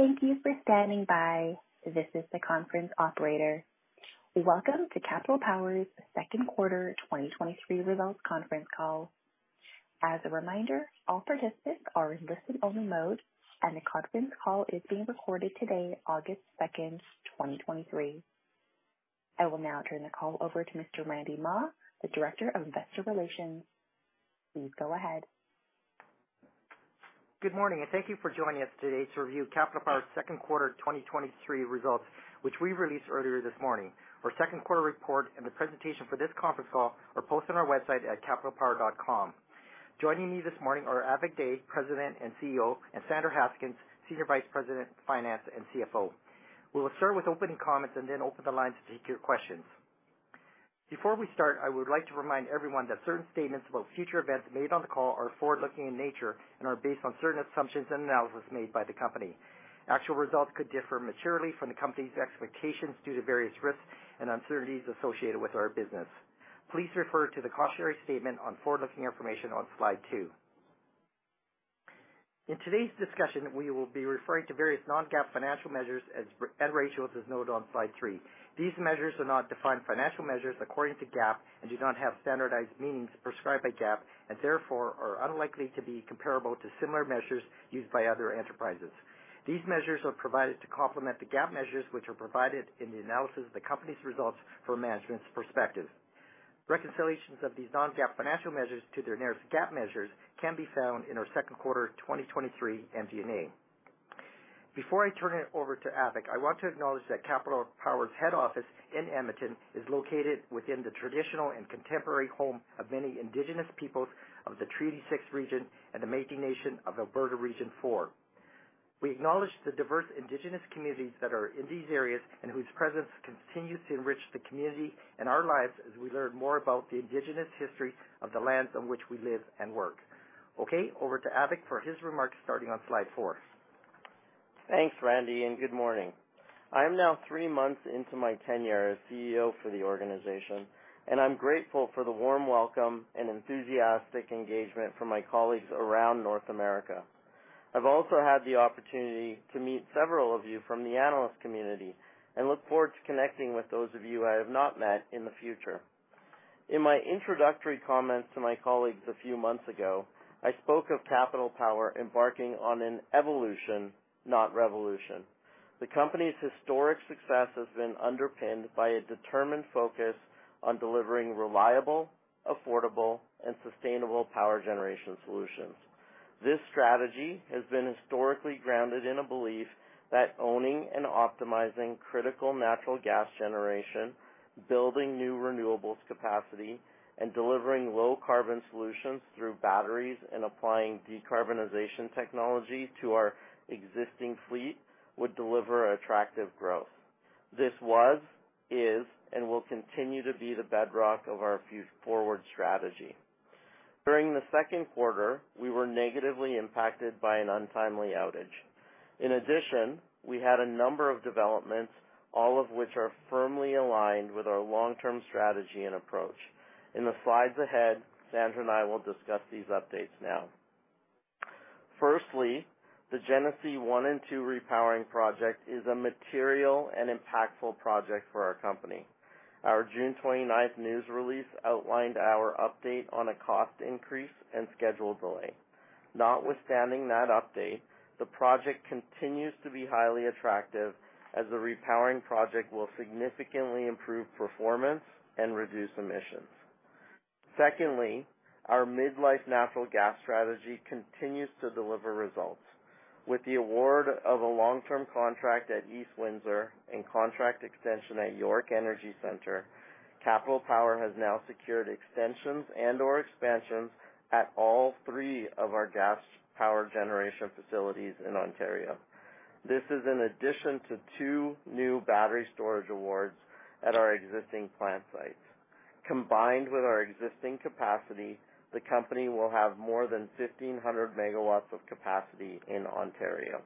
Thank you for standing by. This is the conference operator. Welcome to Capital Power's Second Quarter 2023 Results Conference Call. As a reminder, all participants are in listen-only mode, and the conference call is being recorded today, August 2, 2023. I will now turn the call over to Mr. Randy Mah, the Director of Investor Relations. Please go ahead. Good morning. Thank you for joining us today to review Capital Power's second quarter 2023 results, which we released earlier this morning. Our second quarter report and the presentation for this conference call are posted on our website at capitalpower.com. Joining me this morning are Avik Dey, President and CEO, and Sandra Haskins, Senior Vice President, Finance and CFO. We will start with opening comments and then open the lines to take your questions. Before we start, I would like to remind everyone that certain statements about future events made on the call are forward-looking in nature and are based on certain assumptions and analysis made by the company. Actual results could differ materially from the company's expectations due to various risks and uncertainties associated with our business. Please refer to the cautionary statement on forward-looking information on slide 2. In today's discussion, we will be referring to various non-GAAP financial measures and ratios, as noted on slide three. These measures are not defined financial measures according to GAAP and do not have standardized meanings prescribed by GAAP and therefore are unlikely to be comparable to similar measures used by other enterprises. These measures are provided to complement the GAAP measures, which are provided in the analysis of the company's results from management's perspective. Reconciliations of these non-GAAP financial measures to their nearest GAAP measures can be found in our second quarter 2023 MD&A. Before I turn it over to Avik, I want to acknowledge that Capital Power's head office in Edmonton is located within the traditional and contemporary home of many Indigenous peoples of the Treaty 6 region and the Métis Nation of Alberta Region 4. We acknowledge the diverse Indigenous communities that are in these areas and whose presence continues to enrich the community and our lives as we learn more about the Indigenous history of the lands on which we live and work. Okay, over to Avik for his remarks starting on slide 4. Thanks, Randy. Good morning. I am now three months into my tenure as CEO for the organization. I'm grateful for the warm welcome and enthusiastic engagement from my colleagues around North America. I've also had the opportunity to meet several of you from the analyst community and look forward to connecting with those of you I have not met in the future. In my introductory comments to my colleagues a few months ago, I spoke of Capital Power embarking on an evolution, not revolution. The company's historic success has been underpinned by a determined focus on delivering reliable, affordable, and sustainable power generation solutions. This strategy has been historically grounded in a belief that owning and optimizing critical natural gas generation, building new renewables capacity, and delivering low-carbon solutions through batteries and applying decarbonization technology to our existing fleet would deliver attractive growth. This was, is, and will continue to be the bedrock of our few forward strategy. During the second quarter, we were negatively impacted by an untimely outage. We had a number of developments, all of which are firmly aligned with our long-term strategy and approach. In the slides ahead, Sandra and I will discuss these updates now. Firstly, the Genesee 1 and 2 Repowering Project is a material and impactful project for our company. Our June twenty-ninth news release outlined our update on a cost increase and schedule delay. Notwithstanding that update, the project continues to be highly attractive as the repowering project will significantly improve performance and reduce emissions. Secondly, our midlife natural gas strategy continues to deliver results. With the award of a long-term contract at East Windsor and contract extension at York Energy Centre, Capital Power has now secured extensions and/or expansions at all three of our gas power generation facilities in Ontario. This is in addition to two new battery storage awards at our existing plant sites. Combined with our existing capacity, the company will have more than 1,500 MW of capacity in Ontario.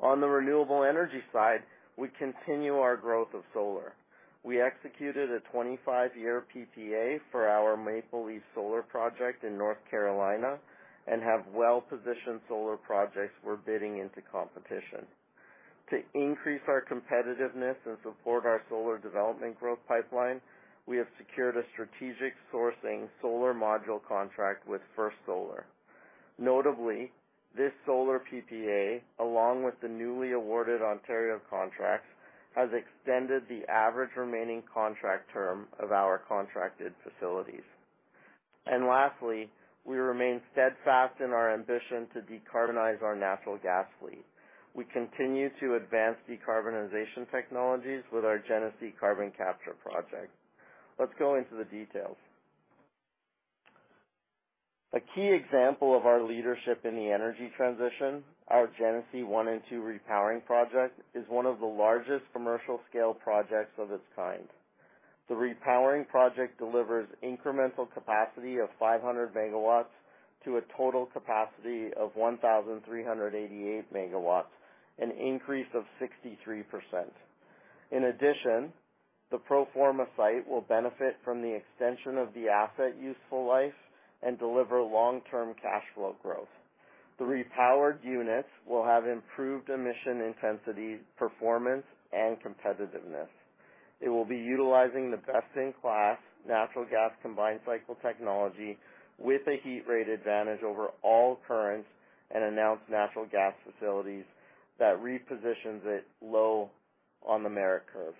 On the renewable energy side, we continue our growth of solar. We executed a 25-year PPA for our Maple Leaf Solar project in North Carolina and have well-positioned solar projects we're bidding into competition. To increase our competitiveness and support our solar development growth pipeline, we have secured a strategic sourcing solar module contract with First Solar. Notably, this solar PPA, along with the newly awarded Ontario contracts, has extended the average remaining contract term of our contracted facilities. Lastly, we remain steadfast in our ambition to decarbonize our natural gas fleet. We continue to advance decarbonization technologies with our Genesee Carbon Capture project. Let's go into the details. A key example of our leadership in the energy transition, our Genesee 1 and 2 Repowering Project, is one of the largest commercial-scale projects of its kind. The repowering project delivers incremental capacity of 500 MW to a total capacity of 1,388 MW, an increase of 63%. In addition, the pro forma site will benefit from the extension of the asset useful life and deliver long-term cash flow growth. The repowered units will have improved emission intensity, performance, and competitiveness. It will be utilizing the best-in-class natural gas combined cycle technology with a heat rate advantage over all current and announced natural gas facilities that repositions it low on the merit curve.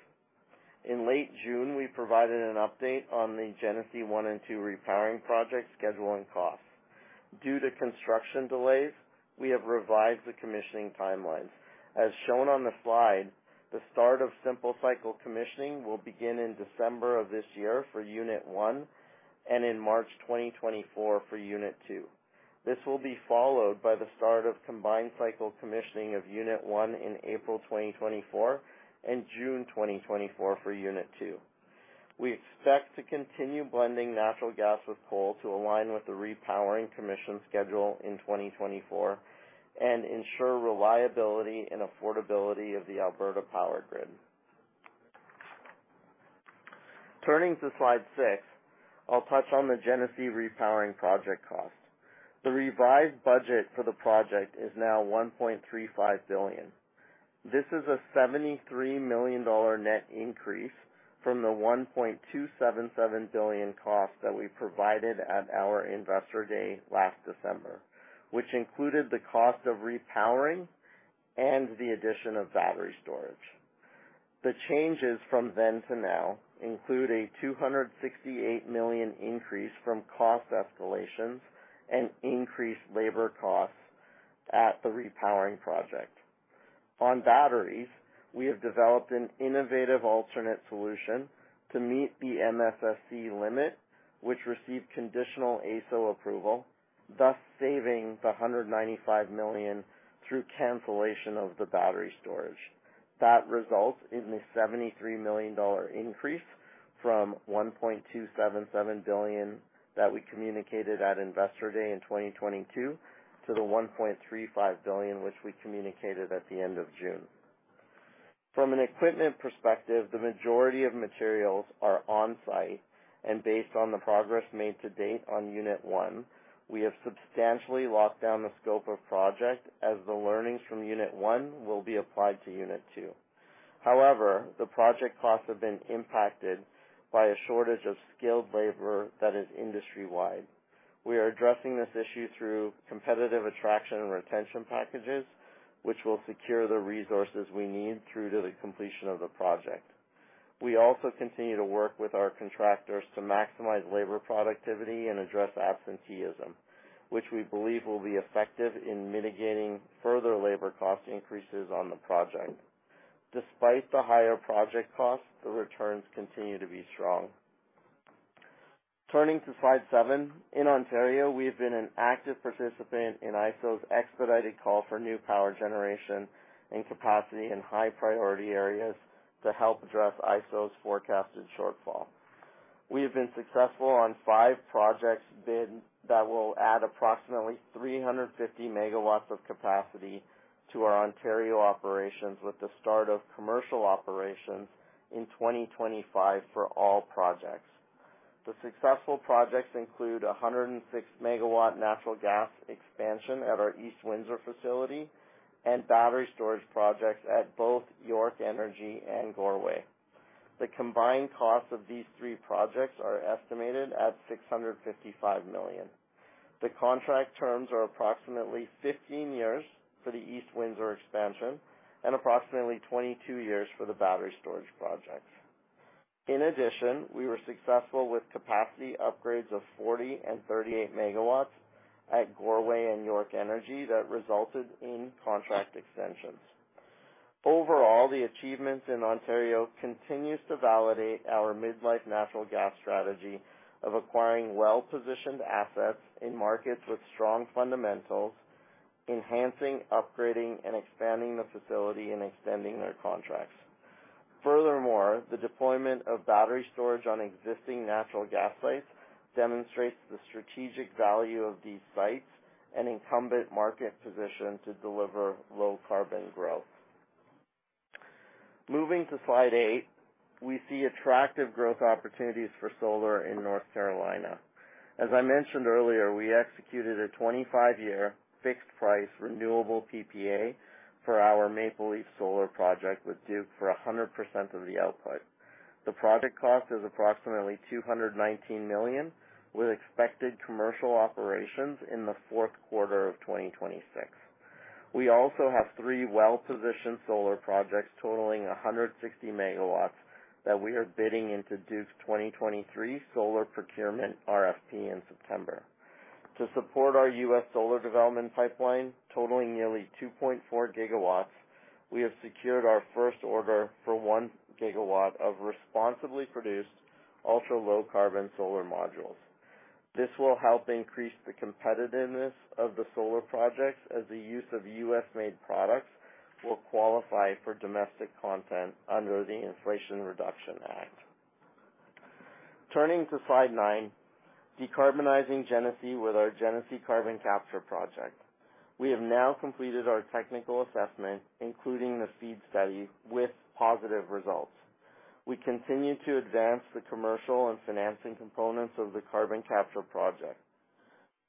In late June, we provided an update on the Genesee 1 and 2 Repowering Project schedule and costs. Due to construction delays, we have revised the commissioning timelines. As shown on the slide, the start of simple cycle commissioning will begin in December of this year for Unit 1, and in March 2024 for Unit 2. This will be followed by the start of combined cycle commissioning of Unit 1 in April 2024, and June 2024 for Unit 2. We expect to continue blending natural gas with coal to align with the repowering commission schedule in 2024, and ensure reliability and affordability of the Alberta power grid. Turning to slide 6, I'll touch on the Genesee Repowering Project cost. The revised budget for the project is now $1.35 billion. This is a $73 million net increase from the $1.277 billion cost that we provided at our Investor Day last December, which included the cost of repowering and the addition of battery storage. The changes from then to now include a $268 million increase from cost escalations and increased labor costs at the repowering project. On batteries, we have developed an innovative alternate solution to meet the MFSC limit, which received conditional AESO approval, thus saving the $195 million through cancellation of the battery storage. That results in the $73 million increase from $1.277 billion that we communicated at Investor Day in 2022, to the $1.35 billion, which we communicated at the end of June. From an equipment perspective, the majority of materials are on-site, and based on the progress made to date on Unit 1, we have substantially locked down the scope of project, as the learnings from Unit 1 will be applied to Unit 2. However, the project costs have been impacted by a shortage of skilled labor that is industry-wide. We are addressing this issue through competitive attraction and retention packages, which will secure the resources we need through to the completion of the project. We also continue to work with our contractors to maximize labor productivity and address absenteeism, which we believe will be effective in mitigating further labor cost increases on the project. Despite the higher project costs, the returns continue to be strong. Turning to slide 7. In Ontario, we have been an active participant in ISO's expedited call for new power generation and capacity in high-priority areas to help address ISO's forecasted shortfall. We have been successful on 5 projects bid that will add approximately 350 MW of capacity to our Ontario operations, with the start of commercial operations in 2025 for all projects. The successful projects include a 106 MW natural gas expansion at our East Windsor facility and battery storage projects at both York Energy and Goreway. The combined costs of these 3 projects are estimated at $655 million. The contract terms are approximately 15 years for the East Windsor expansion and approximately 22 years for the battery storage projects. In addition, we were successful with capacity upgrades of 40 MW and 38 MW at Goreway and York Energy that resulted in contract extensions. Overall, the achievements in Ontario continues to validate our mid-life natural gas strategy of acquiring well-positioned assets in markets with strong fundamentals, enhancing, upgrading, and expanding the facility, and extending their contracts. Furthermore, the deployment of battery storage on existing natural gas sites demonstrates the strategic value of these sites and incumbent market position to deliver low-carbon growth. Moving to slide 8, we see attractive growth opportunities for solar in North Carolina. As I mentioned earlier, we executed a 25-year fixed-price renewable PPA for our Maple Leaf Solar project with Duke for 100% of the output. The project cost is approximately $219 million, with expected commercial operations in the fourth quarter of 2026. We also have three well-positioned solar projects totaling 160 MW, that we are bidding into Duke's 2023 solar procurement RFP in September. To support our US solar development pipeline, totaling nearly 2.4 GW, we have secured our first order for 1 GW of responsibly produced ultra-low carbon solar modules. This will help increase the competitiveness of the solar projects, as the use of US-made products will qualify for domestic content under the Inflation Reduction Act. Turning to slide 9, decarbonizing Genesee with our Genesee Carbon Capture Project. We have now completed our technical assessment, including the FEED study, with positive results. We continue to advance the commercial and financing components of the carbon capture project.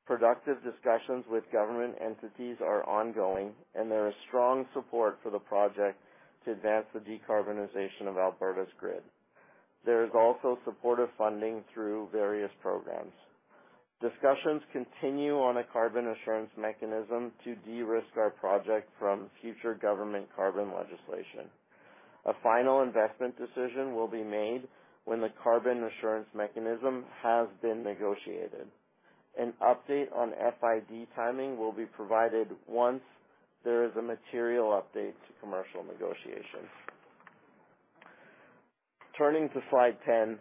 Productive discussions with government entities are ongoing, and there is strong support for the project to advance the decarbonization of Alberta's grid. There is also supportive funding through various programs. Discussions continue on a carbon assurance mechanism to de-risk our project from future government carbon legislation. A final investment decision will be made when the carbon assurance mechanism has been negotiated. An update on FID timing will be provided once there is a material update to commercial negotiations. Turning to slide 10.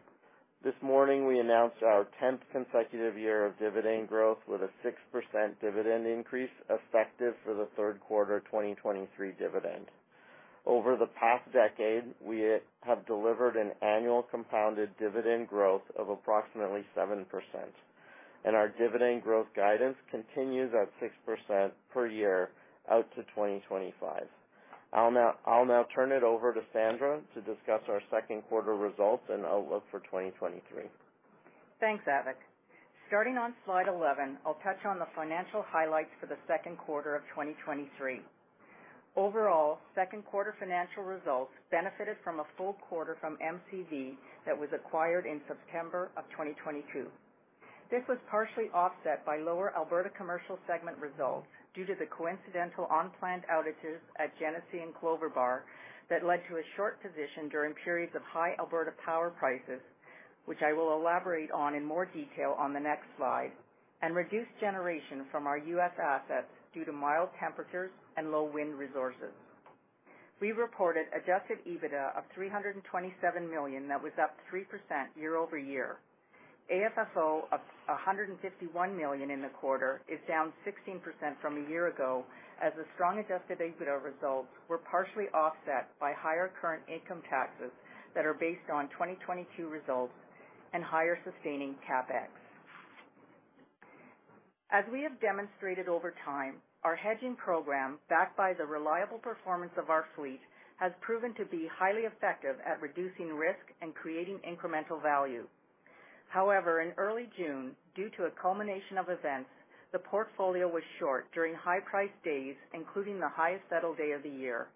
This morning, we announced our 10th consecutive year of dividend growth, with a 6% dividend increase effective for the 3rd quarter, 2023 dividend. Over the past decade, we have delivered an annual compounded dividend growth of approximately 7%, and our dividend growth guidance continues at 6% per year out to 2025. I'll now, I'll now turn it over to Sandra to discuss our 2nd quarter results and outlook for 2023. Thanks, Avik. Starting on slide 11, I'll touch on the financial highlights for the second quarter of 2023. Overall, second quarter financial results benefited from a full quarter from MCV that was acquired in September of 2022. This was partially offset by lower Alberta commercial segment results due to the coincidental unplanned outages at Genesee and Clover Bar that led to a short position during periods of high Alberta power prices, which I will elaborate on in more detail on the next slide, and reduced generation from our US assets due to mild temperatures and low wind resources. We reported Adjusted EBITDA of $327 million. That was up 3% year-over-year. AFFO of $151 million in the quarter is down 16% from a year ago, as the strong Adjusted EBITDA results were partially offset by higher current income taxes that are based on 2022 results and higher sustaining CapEx. As we have demonstrated over time, our hedging program, backed by the reliable performance of our fleet, has proven to be highly effective at reducing risk and creating incremental value. However, in early June, due to a culmination of events, the portfolio was short during high-price days, including the highest settle day of the year,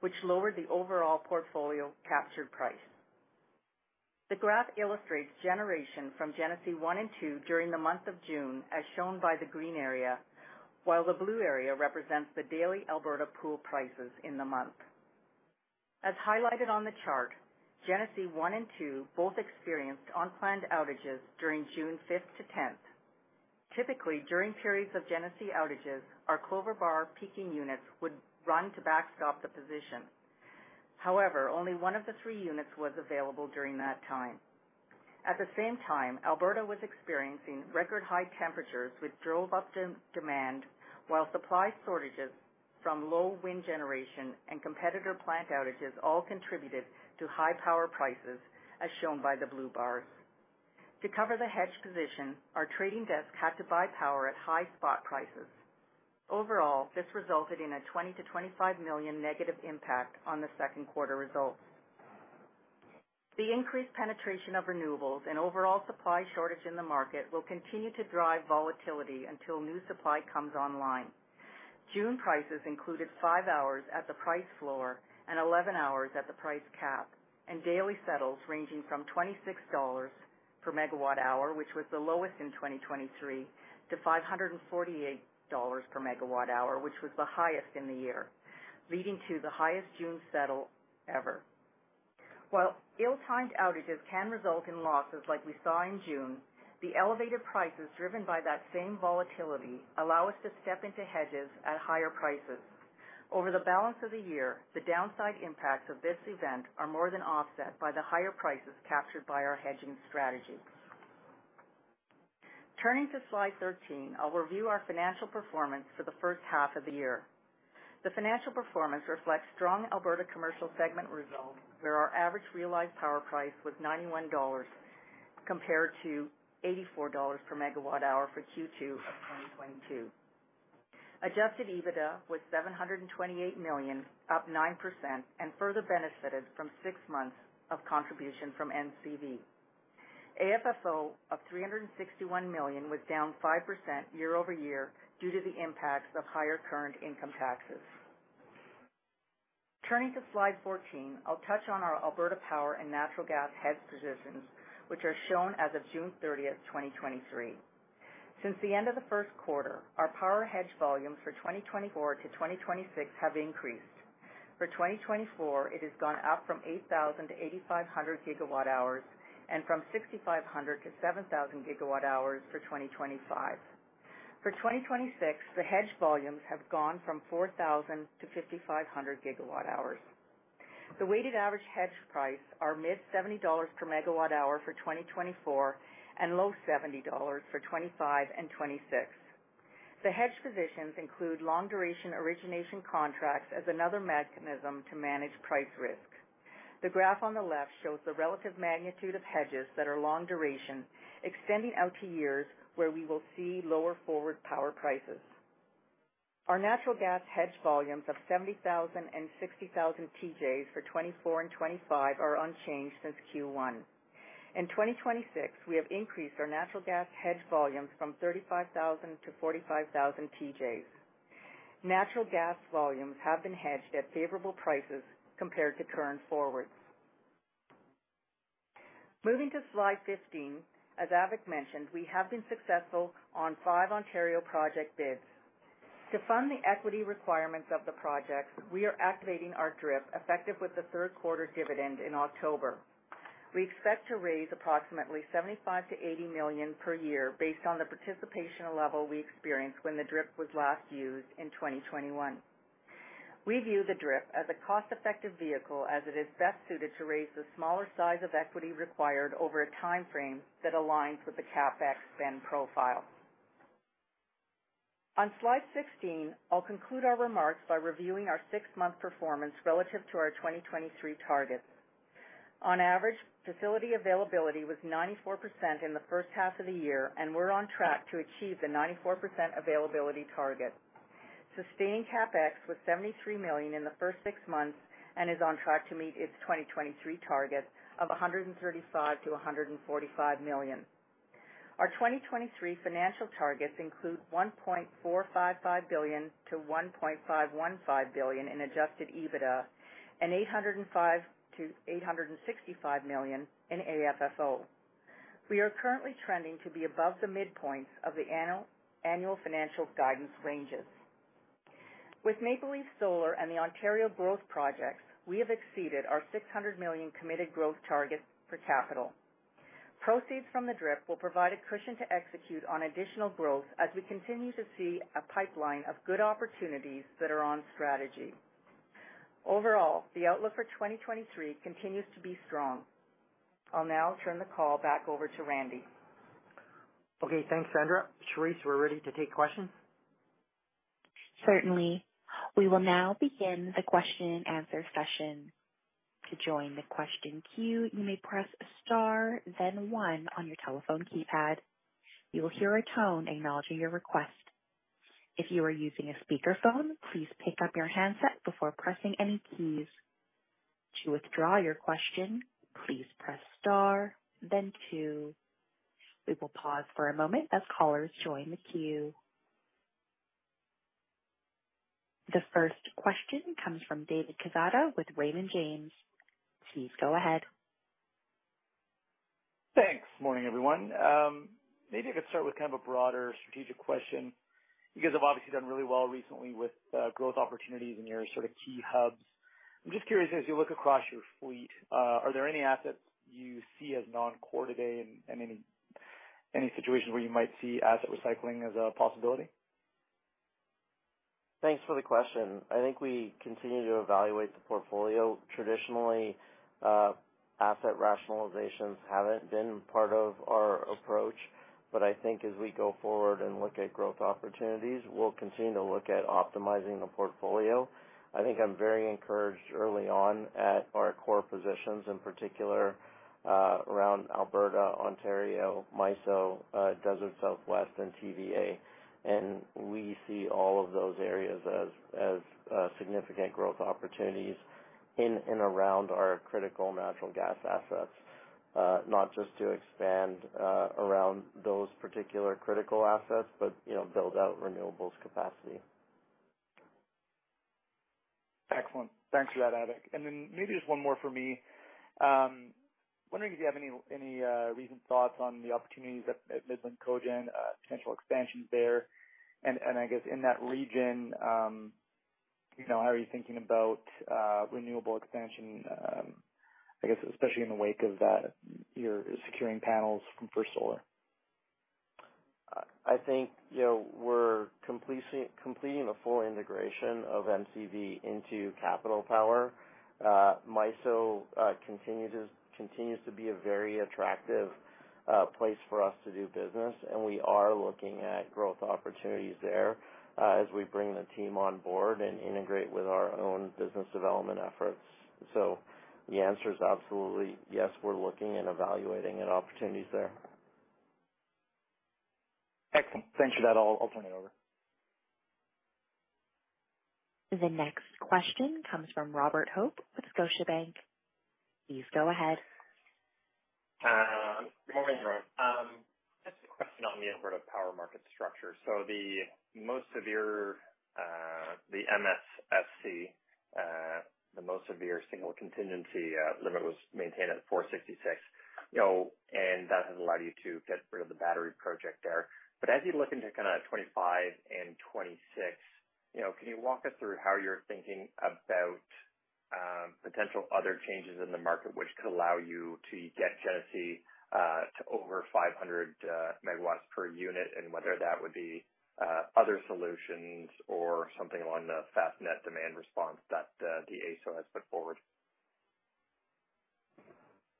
which lowered the overall portfolio captured price. The graph illustrates generation from Genesee 1 and 2 during the month of June, as shown by the green area, while the blue area represents the daily Alberta pool prices in the month. As highlighted on the chart, Genesee 1 and 2 both experienced unplanned outages during June 5th to 10th. Typically, during periods of Genesee outages, our Clover Bar peaking units would run to backstop the position. However, only one of the three units was available during that time. At the same time, Alberta was experiencing record-high temperatures, which drove up demand, while supply shortages from low wind generation and competitor plant outages all contributed to high power prices, as shown by the blue bars. To cover the hedge position, our trading desk had to buy power at high spot prices. Overall, this resulted in a $20 million-$25 million negative impact on the second quarter results. The increased penetration of renewables and overall supply shortage in the market will continue to drive volatility until new supply comes online. June prices included 5 hours at the price floor and 11 hours at the price cap, daily settles ranging from $26 per MWh, which was the lowest in 2023, to $548 per MWh, which was the highest in the year, leading to the highest June settle ever. While ill-timed outages can result in losses like we saw in June, the elevated prices driven by that same volatility allow us to step into hedges at higher prices. Over the balance of the year, the downside impacts of this event are more than offset by the higher prices captured by our hedging strategy. Turning to slide 13, I'll review our financial performance for the first half of the year. The financial performance reflects strong Alberta commercial segment results, where our average realized power price was $91, compared to $84 per MWh for Q2 of 2022. Adjusted EBITDA was $728 million, up 9%, and further benefited from 6 months of contribution from MCV. AFFO of $361 million was down 5% year-over-year due to the impacts of higher current income taxes. Turning to slide 14, I'll touch on our Alberta Power and natural gas hedge positions, which are shown as of June 30, 2023. Since the end of the first quarter, our power hedge volumes for 2024-2026 have increased. For 2024, it has gone up from 8,000 to 8,500 GWh and from 6,500 to 7,000 GWh for 2025. For 2026, the hedge volumes have gone from 4,000 to 5,500 GWh. The weighted average hedge price are mid $70 per MWh for 2024 and low $70 for 2025 and 2026. The hedge positions include long-duration origination contracts as another mechanism to manage price risk. The graph on the left shows the relative magnitude of hedges that are long duration, extending out to years where we will see lower forward power prices. Our natural gas hedge volumes of 70,000 and 60,000 TJs for 2024 and 2025 are unchanged since Q1. In 2026, we have increased our natural gas hedge volumes from 35,000 to 45,000 TJs. Natural gas volumes have been hedged at favorable prices compared to current forwards. Moving to Slide 15, as Avik mentioned, we have been successful on five Ontario project bids. To fund the equity requirements of the projects, we are activating our DRIP, effective with the third quarter dividend in October. We expect to raise approximately 75 million-80 million per year based on the participation level we experienced when the DRIP was last used in 2021. We view the DRIP as a cost-effective vehicle, as it is best suited to raise the smaller size of equity required over a time frame that aligns with the CapEx spend profile. On Slide 16, I'll conclude our remarks by reviewing our 6-month performance relative to our 2023 targets. On average, facility availability was 94% in the first half of the year, and we're on track to achieve the 94% availability target. Sustaining CapEx was $73 million in the first 6 months and is on track to meet its 2023 target of $135 million-$145 million. Our 2023 financial targets include $1.455 billion-$1.515 billion in Adjusted EBITDA and $805 million-$865 million in AFFO. We are currently trending to be above the midpoints of the annual financial guidance ranges. With Maple Leaf Solar and the Ontario growth projects, we have exceeded our $600 million committed growth targets for capital. Proceeds from the DRIP will provide a cushion to execute on additional growth as we continue to see a pipeline of good opportunities that are on strategy. Overall, the outlook for 2023 continues to be strong. I'll now turn the call back over to Randy. Okay, thanks, Sandra. Charisse, we're ready to take questions. Certainly. We will now begin the question-and-answer session. To join the question queue, you may press star then one on your telephone keypad. You will hear a tone acknowledging your request. If you are using a speakerphone, please pick up your handset before pressing any keys. To withdraw your question, please press star then two. We will pause for a moment as callers join the queue. The first question comes from David Quezada with Raymond James. Please go ahead. Thanks. Morning, everyone. Maybe I could start with kind of a broader strategic question. You guys have obviously done really well recently with growth opportunities in your sort of key hubs. I'm just curious, as you look across your fleet, are there any assets you see as non-core today and any situations where you might see asset recycling as a possibility? Thanks for the question. I think we continue to evaluate the portfolio. Traditionally, asset rationalizations haven't been part of our approach, but I think as we go forward and look at growth opportunities, we'll continue to look at optimizing the portfolio. I think I'm very encouraged early on at our core positions, in particular, around Alberta, Ontario, MISO, Desert Southwest, and TVA. We see all of those areas as, as, significant growth opportunities in and around our critical natural gas assets, not just to expand, around those particular critical assets, but, you know, build out renewables capacity. Excellent. Thanks for that, Avik. Then maybe just one more for me. Wondering if you have any, any recent thoughts on the opportunities at Midland Cogen, potential expansions there? I guess in that region, you know, how are you thinking about renewable expansion, I guess, especially in the wake of that, you're securing panels for solar? I think, you know, we're completing the full integration of MCV into Capital Power. MISO continues to be a very attractive place for us to do business, and we are looking at growth opportunities there as we bring the team on board and integrate with our own business development efforts. The answer is absolutely yes, we're looking and evaluating at opportunities there. Excellent. Thanks for that. I'll, I'll turn it over. The next question comes from Robert Hope with Scotiabank. Please go ahead. Good morning, everyone. Just a question on the Alberta power market structure. The most severe, the MFSC, the most severe single contingency, limit was maintained at 466. You know, that has allowed you to get rid of the battery project there. As you look into kind of 25 and 26, you know, can you walk us through how you're thinking about potential other changes in the market, which could allow you to get Genesee to over 500 MW per unit, and whether that would be other solutions or something along the fast net demand response that the AESO has put forward?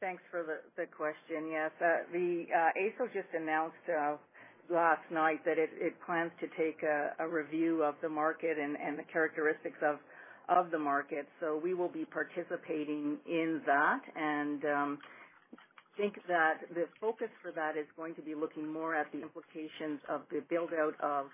Thanks for the, the question. Yes, the AESO just announced last night that it plans to take a review of the market and the characteristics of the market. We will be participating in that. Think that the focus for that is going to be looking more at the implications of the build-out of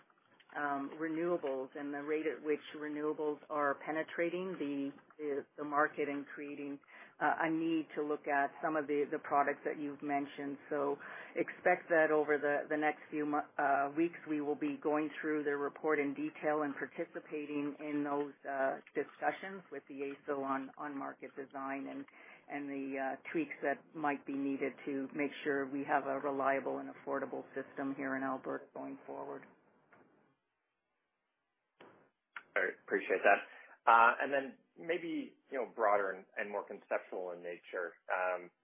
renewables and the rate at which renewables are penetrating the market and creating a need to look at some of the products that you've mentioned. Expect that over the, the next few weeks, we will be going through the report in detail and participating in those discussions with the AESO on, on market design and, and the tweaks that might be needed to make sure we have a reliable and affordable system here in Alberta going forward. All right, appreciate that. Then maybe, you know, broader and, and more conceptual in nature,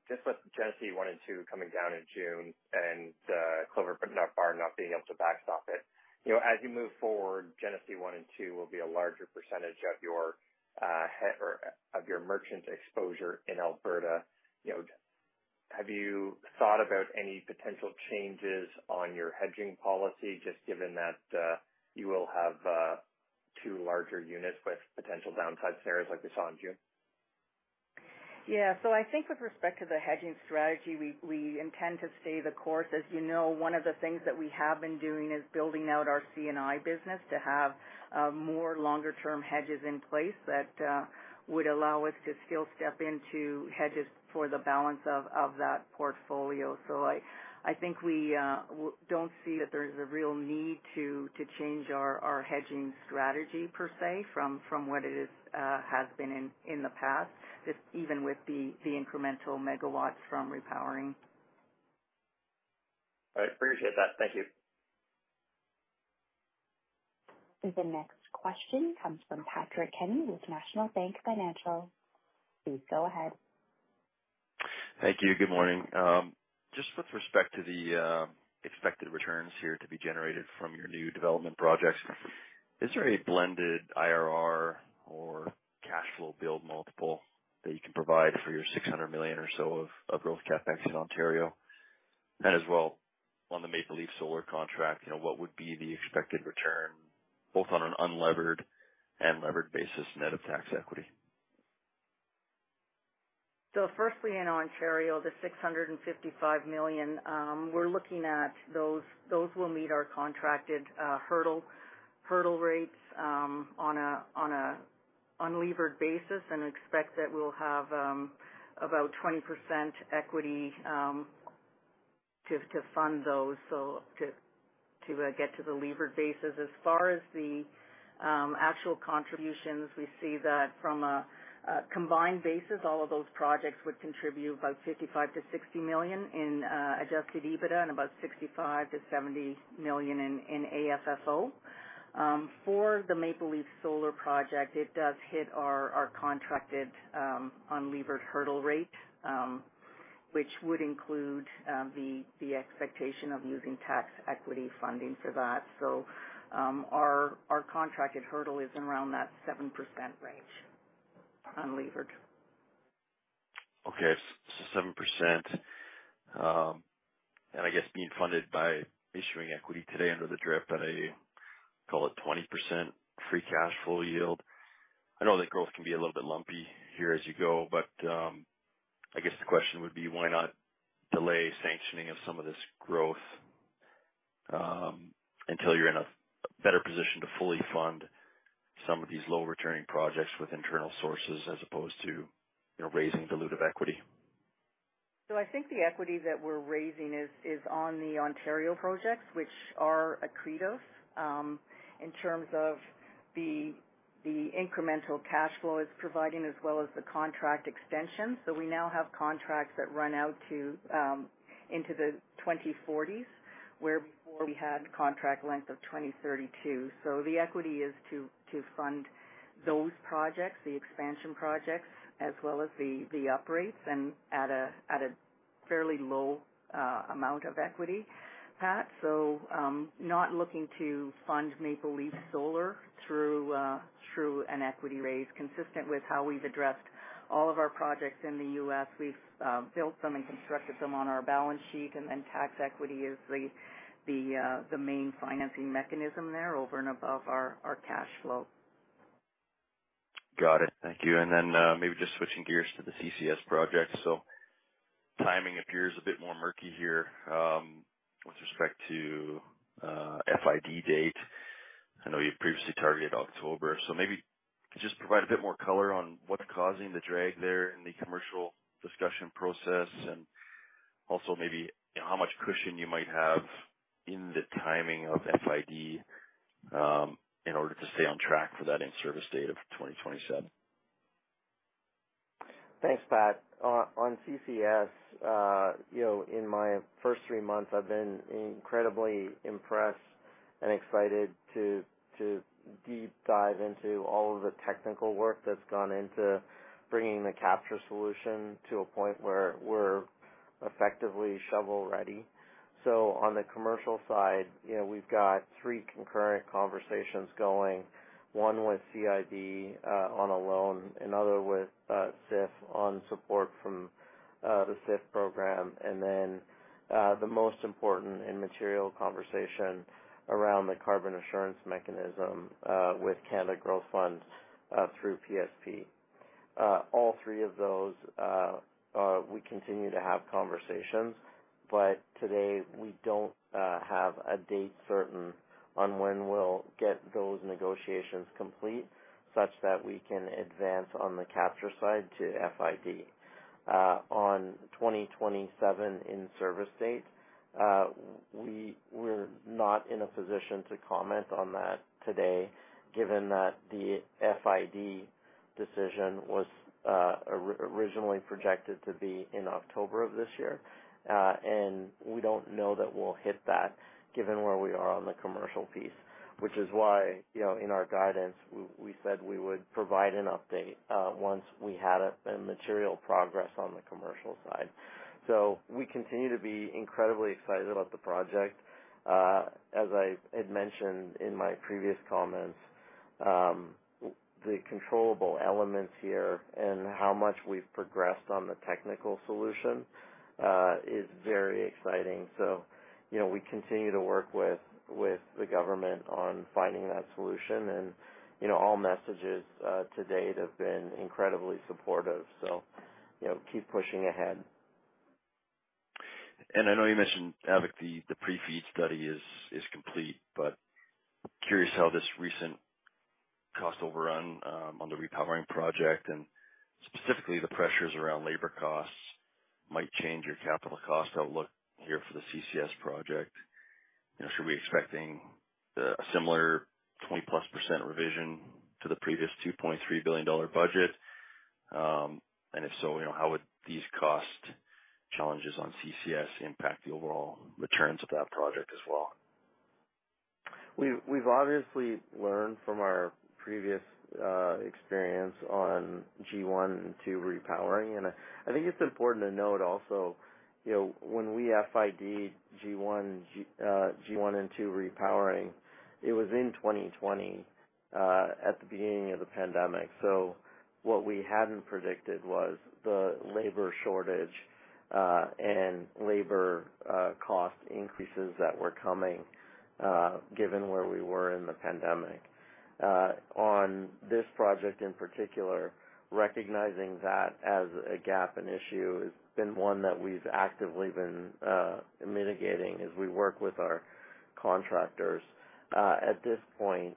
just with Genesee 1 and 2 coming down in June and Clover Bar not being able to backstop it, you know, as you move forward, Genesee 1 and 2 will be a larger percentage of your or of your merchant exposure in Alberta. You know, have you thought about any potential changes on your hedging policy, just given that you will have 2 larger units with potential downside scenarios like we saw in June? Yeah. I think with respect to the hedging strategy, we, we intend to stay the course. As you know, one of the things that we have been doing is building out our CNI business to have more longer-term hedges in place that would allow us to still step into hedges for the balance of that portfolio. I, I think we w- don't see that there's a real need to change our hedging strategy per se from what it is has been in the past, just even with the incremental megawatts from repowering. I appreciate that. Thank you. The next question comes from Patrick Kenny with National Bank Financial. Please go ahead. Thank you, good morning. Just with respect to the expected returns here to be generated from your new development projects, is there a blended IRR or cash flow build multiple that you can provide for your $600 million or so of growth CapEx in Ontario? As well, on the Maple Leaf Solar contract, you know, what would be the expected return both on an unlevered and levered basis net of tax equity? Firstly, in Ontario, the $655 million, we're looking at those, those will meet our contracted hurdle, hurdle rates on an unlevered basis, and expect that we'll have about 20% equity to fund those, so to get to the levered basis. As far as the actual contributions, we see that from a combined basis, all of those projects would contribute about $55 million-$60 million in Adjusted EBITDA and about $65 million-$70 million in AFFO. For the Maple Leaf Solar project, it does hit our contracted unlevered hurdle rate, which would include the expectation of using tax equity funding for that. Our contracted hurdle is around that 7% range unlevered. Okay, 7%. I guess being funded by issuing equity today under the DRIP at a, call it 20% free cash flow yield. I know that growth can be a little bit lumpy here as you go, but, I guess the question would be why not delay sanctioning of some of this growth, until you're in a better position to fully fund some of these low-returning projects with internal sources, as opposed to, you know, raising dilutive equity? I think the equity that we're raising is, is on the Ontario projects, which are accretive, in terms of the incremental cash flow it's providing as well as the contract extension. We now have contracts that run out to, into the 2040s, where before we had contract length of 2032. The equity is to, to fund those projects, the expansion projects, as well as the operates and at a fairly low amount of equity, Pat. Not looking to fund Maple Leaf Solar through an equity raise. Consistent with how we've addressed all of our projects in the US, we've built them and constructed them on our balance sheet, and then tax equity is the main financing mechanism there over and above our cash flow. Got it. Thank you. Then, maybe just switching gears to the CCS project. Timing appears a bit more murky here, with respect to FID date. I know you previously targeted October, so maybe just provide a bit more color on what's causing the drag there in the commercial discussion process, and also maybe, how much cushion you might have in the timing of FID, in order to stay on track for that in-service date of 2027. Thanks, Pat. On CCS, you know, in my first three months, I've been incredibly impressed and excited to, to deep dive into all of the technical work that's gone into bringing the capture solution to a point where. Effectively shovel-ready. On the commercial side, you know, we've got three concurrent conversations going. One with CIB on a loan, another with SIF, on support from the SIF program, and then the most important and material conversation around the carbon assurance mechanism with Canada Growth Fund through PSP. All three of those, we continue to have conversations, but today we don't have a date certain on when we'll get those negotiations complete, such that we can advance on the capture side to FID. On 2027 in service date, we're not in a position to comment on that today, given that the FID decision was originally projected to be in October of this year. We don't know that we'll hit that, given where we are on the commercial piece, which is why, you know, in our guidance, we said we would provide an update, once we had a material progress on the commercial side. We continue to be incredibly excited about the project. As I had mentioned in my previous comments, the controllable elements here and how much we've progressed on the technical solution is very exciting. You know, we continue to work with, with the government on finding that solution, and, you know, all messages to date have been incredibly supportive. You know, keep pushing ahead. I know you mentioned, Avik, the pre-feed study is complete, but curious how this recent cost overrun on the repowering project and specifically the pressures around labor costs might change your capital cost outlook here for the CCS project. You know, should we be expecting a similar 20%+ revision to the previous 2.3 billion dollar budget? And if so, you know, how would these cost challenges on CCS impact the overall returns of that project as well? We've, we've obviously learned from our previous experience on G 1 and 2 repowering. I, I think it's important to note also, you know, when we FID'd G 1 and 2 repowering, it was in 2020 at the beginning of the pandemic. What we hadn't predicted was the labor shortage and labor cost increases that were coming given where we were in the pandemic. On this project in particular, recognizing that as a gap and issue has been one that we've actively been mitigating as we work with our contractors. At this point,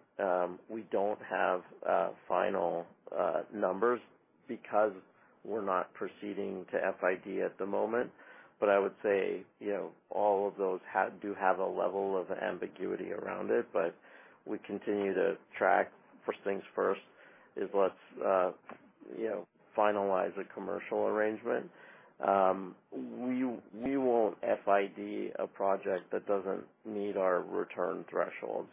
we don't have final numbers because we're not proceeding to FID at the moment, but I would say, you know, all of those have, do have a level of ambiguity around it, but we continue to track. First things first is let's, you know, finalize a commercial arrangement. We, we won't FID a project that doesn't meet our return thresholds.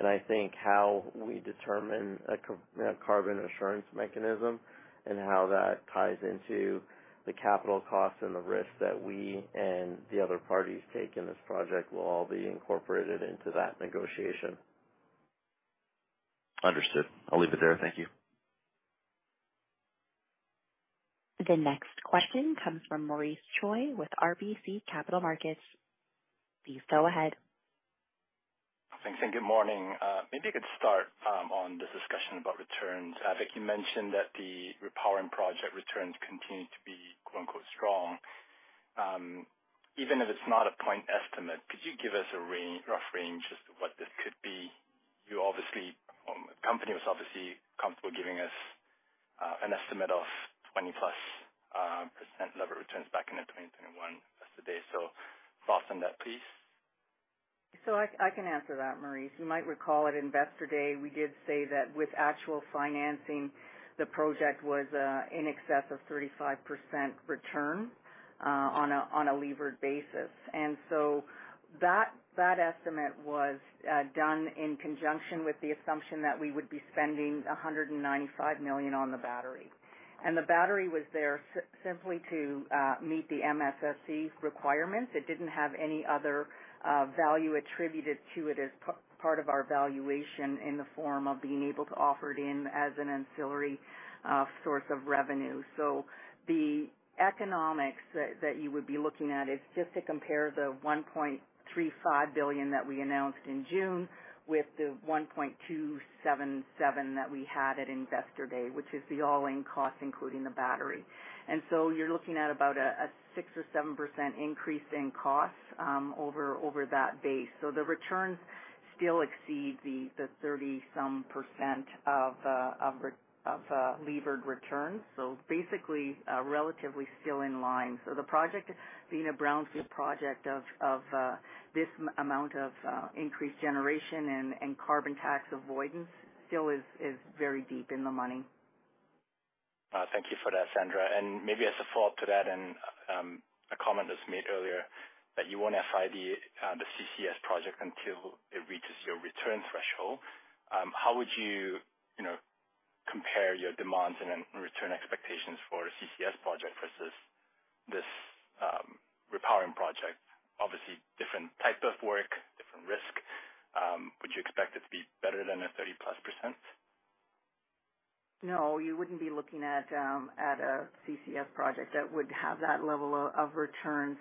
I think how we determine a carbon assurance mechanism and how that ties into the capital costs and the risks that we and the other parties take in this project will all be incorporated into that negotiation. Understood. I'll leave it there. Thank you. The next question comes from Maurice Choy with RBC Capital Markets. Please go ahead. Thanks, good morning. Maybe you could start on this discussion about returns. Avik, you mentioned that the repowering project returns continue to be, quote, unquote, "strong." Even if it's not a point estimate, could you give us a range, rough range as to what this could be? You obviously, the company was obviously comfortable giving us an estimate of 20+% levered returns back in the 2021 Investor Day. Thoughts on that, please? I can answer that, Maurice. You might recall at Investor Day, we did say that with actual financing, the project was in excess of 35% return on a, on a levered basis. That, that estimate was done in conjunction with the assumption that we would be spending $195 million on the battery. The battery was there simply to meet the MFSC requirements. It didn't have any other value attributed to it as part of our valuation in the form of being able to offer it in as an ancillary source of revenue. The economics that, that you would be looking at is just to compare the 1.35 billion that we announced in June with the 1.277 billion that we had at Investor Day, which is the all-in cost, including the battery. You're looking at about a 6% or 7% increase in costs over that base. The returns still exceed the 30%-some percent of levered returns. Basically, relatively still in line. The project, being a Brownfield project of this amount of increased generation and carbon tax avoidance, still is very deep in the money. Thank you for that, Sandra. Maybe as a follow-up to that and a comment that's made earlier, that you won't FID the CCS project until it reaches your return threshold. How would you, you know, compare your demands and then return expectations for a CCS project versus this repowering project. Obviously, different type of work, different risk. Would you expect it to be better than a 30+%? No, you wouldn't be looking at, at a CCS project that would have that level of, of return.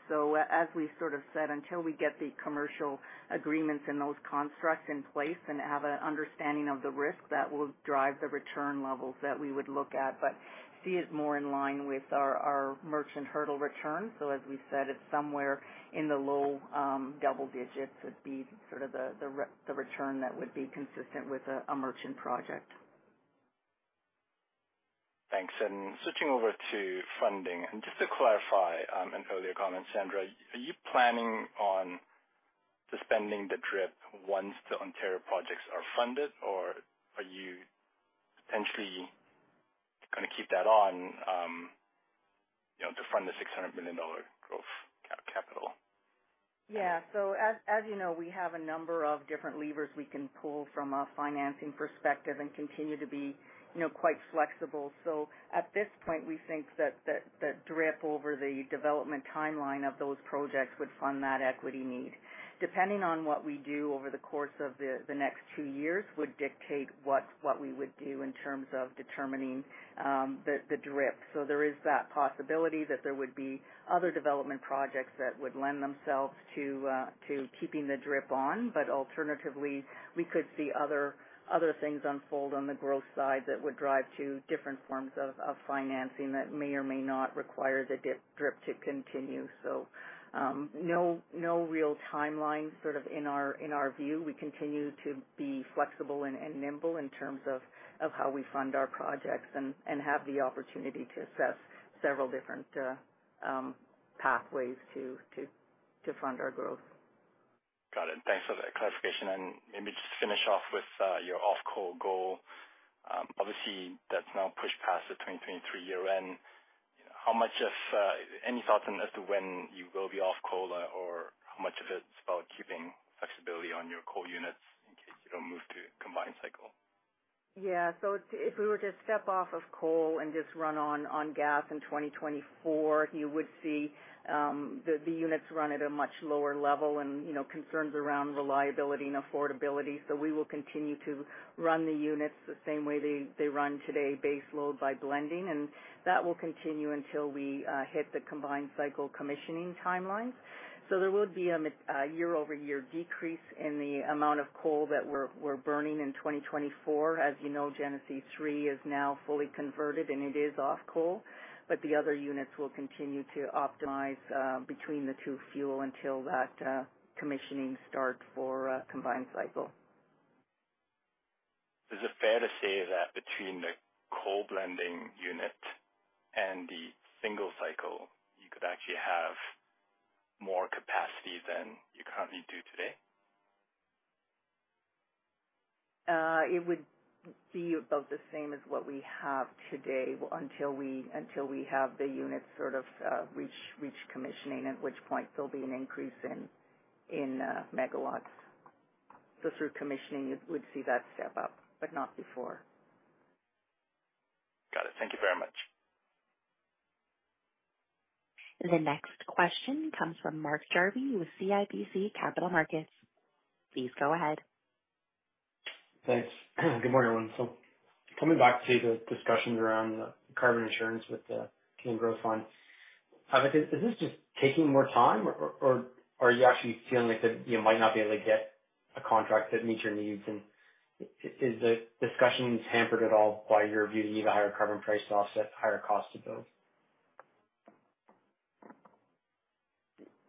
As we sort of said, until we get the commercial agreements and those constructs in place and have an understanding of the risk, that will drive the return levels that we would look at. See it more in line with our, our merchant hurdle return. As we said, it's somewhere in the low double digits, would be sort of the, the return that would be consistent with a merchant project. Thanks, switching over to funding. Just to clarify, an earlier comment, Sandra, are you planning on suspending the DRIP once the Ontario projects are funded, or are you potentially going to keep that on, you know, to fund the 600 million dollar growth capital? Yeah. As, as you know, we have a number of different levers we can pull from a financing perspective and continue to be, you know, quite flexible. At this point, we think that, that, that DRIP over the development timeline of those projects would fund that equity need. Depending on what we do over the course of the, the next 2 years, would dictate what, what we would do in terms of determining the DRIP. There is that possibility that there would be other development projects that would lend themselves to keeping the DRIP on, but alternatively, we could see other, other things unfold on the growth side that would drive to different forms of, of financing that may or may not require the DRIP to continue. No, no real timeline sort of in our, in our view. We continue to be flexible and, and nimble in terms of, of how we fund our projects and, and have the opportunity to assess several different pathways to fund our growth. Got it. Thanks for that clarification. Maybe just to finish off with, your off coal goal. Obviously, that's now pushed past the 2023 year end. How much of any thoughts on as to when you will be off coal, or how much of it is about keeping flexibility on your coal units in case you don't move to combined cycle? Yeah. If, if we were to step off of coal and just run on, on gas in 2024, you would see the units run at a much lower level and, you know, concerns around reliability and affordability. We will continue to run the units the same way they run today, baseload by blending, and that will continue until we hit the combined cycle commissioning timeline. There will be a year-over-year decrease in the amount of coal that we're burning in 2024. As you know, Genesee Three is now fully converted, and it is off coal, the other units will continue to optimize between the two fuel until that commissioning start for combined cycle. Is it fair to say that between the coal blending unit and the single cycle, you could actually have more capacity than you currently do today? It would be about the same as what we have today, until we, until we have the units sort of reach commissioning, at which point there'll be an increase in megawatts. Through commissioning, you would see that step up, but not before. Got it. Thank you very much. The next question comes from Mark Jarvi with CIBC Capital Markets. Please go ahead. Thanks. Good morning, everyone. Coming back to the discussions around the carbon insurance with the Canada Growth Fund, is this, is this just taking more time, or, or, or are you actually feeling like that you might not be able to get a contract that meets your needs? Is the discussions hampered at all by your view that you need a higher carbon price to offset the higher cost of those?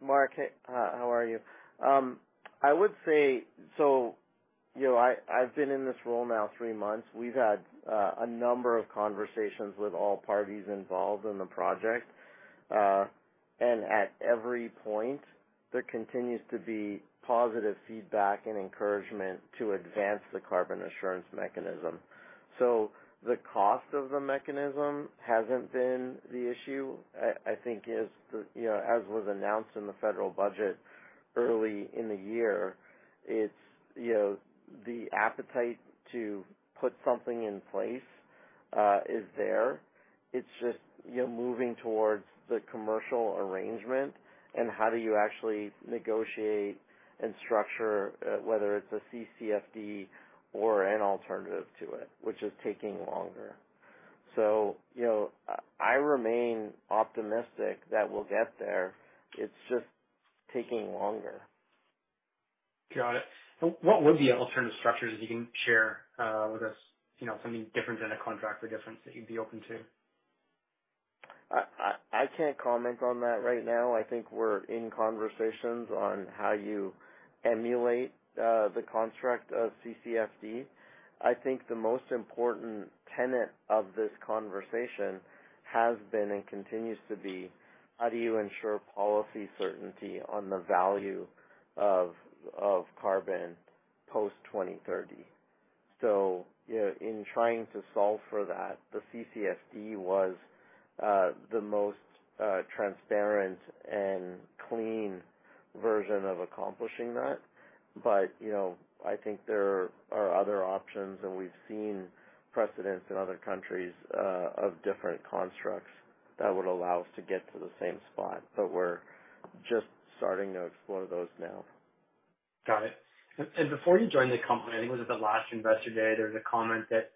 Mark, hey, how are you? I would say you know, I've been in this role now three months. We've had a number of conversations with all parties involved in the project. At every point, there continues to be positive feedback and encouragement to advance the carbon assurance mechanism. The cost of the mechanism hasn't been the issue. I think, is, the, you know, as was announced in the federal budget early in the year, it's, you know, the appetite to put something in place is there. It's just, you know, moving towards the commercial arrangement and how do you actually negotiate and structure whether it's a CCFD or an alternative to it, which is taking longer. You know I remain optimistic that we'll get there. It's just taking longer. Got it. What would be alternative structures that you can share, with us? You know, something different than a contract or different that you'd be open to. I can't comment on that right now. I think we're in conversations on how you emulate the construct of CCFD. I think the most important tenet of this conversation has been and continues to be: How do you ensure policy certainty on the value of, of carbon post-2030? You know, in trying to solve for that, the CCFD was the most transparent and clean version of accomplishing that. You know, I think there are other options, and we've seen precedents in other countries of different constructs that would allow us to get to the same spot, but we're just starting to explore those now. Got it. Before you joined the company, I think it was at the last Investor Day, there was a comment that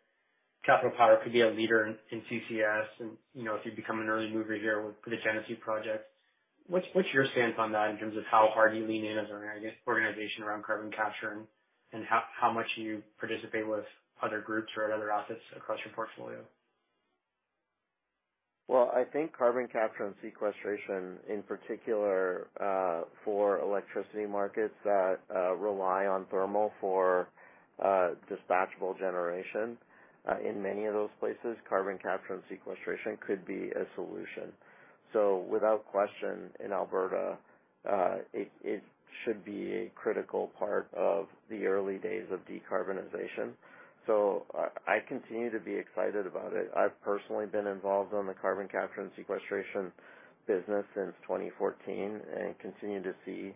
Capital Power could be a leader in, in CCS, and, you know, if you become an early mover here with the Genesee project, what's, what's your stance on that in terms of how hard do you lean in as an, I guess, organization around carbon capture and, and how, how much do you participate with other groups or at other assets across your portfolio? Well, I think carbon capture and sequestration, in particular, for electricity markets that rely on thermal for dispatchable generation, in many of those places, carbon capture and sequestration could be a solution. Without question, in Alberta, it, it should be a critical part of the early days of decarbonization. I, I continue to be excited about it. I've personally been involved on the carbon capture and sequestration business since 2014, and continue to see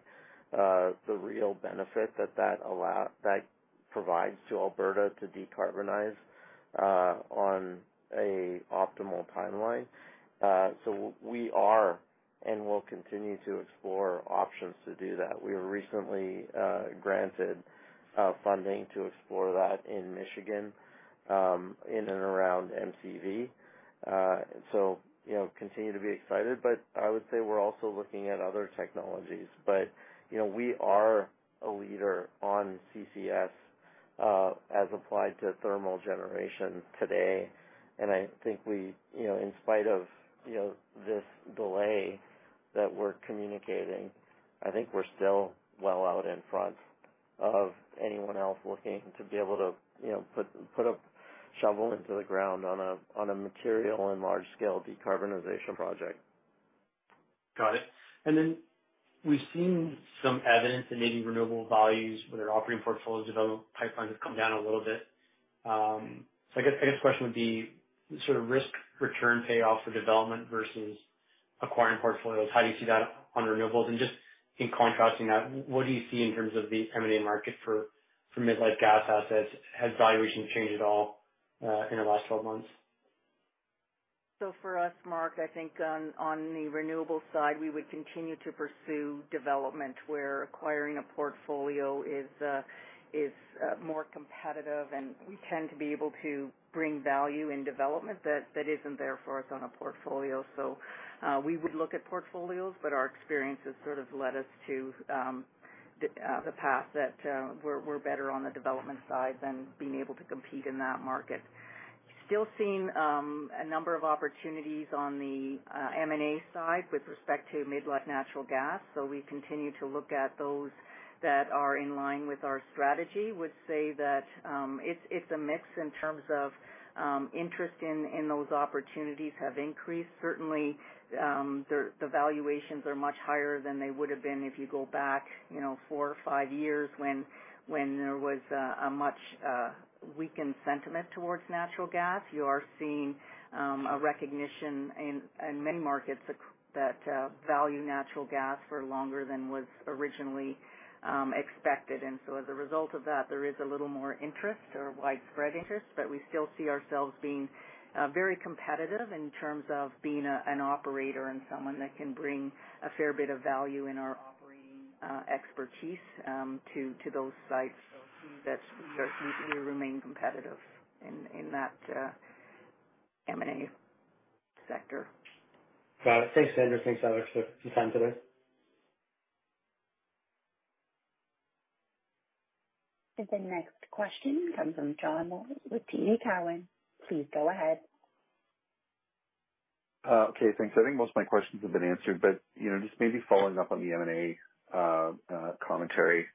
the real benefit that, that provides to Alberta to decarbonize on a optimal timeline. We are and will continue to explore options to do that. We were recently granted funding to explore that in Michigan, in and around MCV. You know, continue to be excited, but I would say we're also looking at other technologies. You know, we are a leader on CCS, as applied to thermal generation today, and I think we, you know, in spite of, you know, this delay that we're communicating, I think we're still well out in front of anyone else looking to be able to, you know, put a shovel into the ground on a, on a material and large-scale decarbonization project. Got it. Then we've seen some evidence that maybe renewable values where their operating portfolio development pipeline has come down a little bit. So I guess, I guess the question would be, sort of, risk return payoff for development versus acquiring portfolios. How do you see that on renewables? Just in contrasting that, what do you see in terms of the M&A market for, for mid-life gas assets? Has valuation changed at all in the last 12 months? For us, Mark, I think on, on the renewables side, we would continue to pursue development, where acquiring a portfolio is, is more competitive, and we tend to be able to bring value in development that, that isn't there for us on a portfolio. We would look at portfolios, but our experience has sort of led us to the path that we're, we're better on the development side than being able to compete in that market. Still seeing a number of opportunities on the M&A side with respect to mid-life natural gas. We continue to look at those that are in line with our strategy. Would say that it's, it's a mix in terms of interest in, in those opportunities have increased. Certainly, the, the valuations are much higher than they would have been if you go back, you know, four or five years when, when there was a much weakened sentiment towards natural gas. You are seeing a recognition in, in many markets that value natural gas for longer than was originally expected. So as a result of that, there is a little more interest or widespread interest. We still see ourselves being very competitive in terms of being a, an operator and someone that can bring a fair bit of value in our operating expertise to, to those sites that certainly we remain competitive in that M&A sector. Got it. Thanks, Sandra. Thanks, Alex, for your time today. The next question comes from John Mould with TD Cowen. Please go ahead. Okay, thanks. I think most of my questions have been answered, but, you know, just maybe following up on the M&A commentary,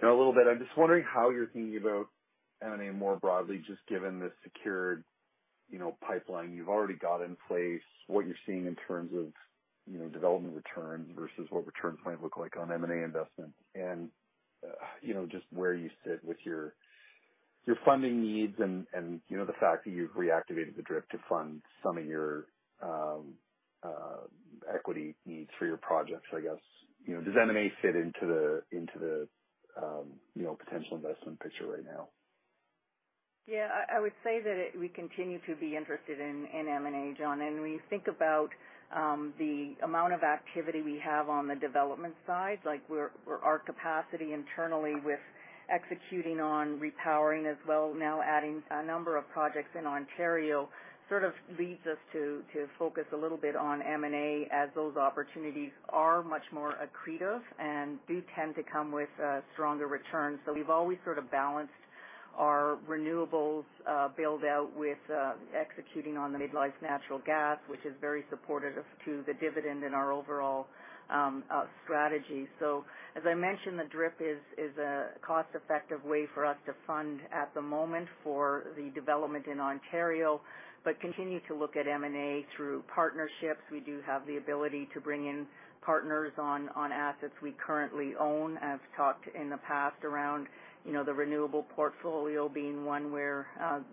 you know, a little bit. I'm just wondering how you're thinking about M&A more broadly, just given the secured, you know, pipeline you've already got in place, what you're seeing in terms of, you know, development returns versus what returns might look like on M&A investment. You know, just where you sit with your, your funding needs and, and, you know, the fact that you've reactivated the DRIP to fund some of your equity needs for your projects, I guess. You know, does M&A fit into the, into the, you know, potential investment picture right now? Yeah, I, I would say that we continue to be interested in M&A, John, and we think about the amount of activity we have on the development side, like, our capacity internally with executing on repowering as well, now adding a number of projects in Ontario, sort of leads us to focus a little bit on M&A, as those opportunities are much more accretive and do tend to come with stronger returns. We've always sort of balanced our renewables build out with executing on the midlife natural gas, which is very supportive to the dividend and our overall strategy. As I mentioned, the DRIP is a cost-effective way for us to fund at the moment for the development in Ontario, but continue to look at M&A through partnerships. We do have the ability to bring in partners on, on assets we currently own. I've talked in the past around, you know, the renewable portfolio being one where,